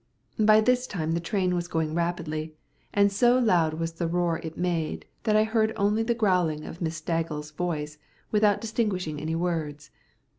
By this time the train was going rapidly, and so loud was the roar it made that I heard only the growling of Miss Staggles' voice without distinguishing any words.